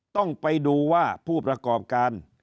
ต้องไปดูว่าผู้ประกอบการ